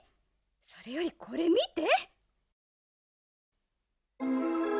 それよりこれみて！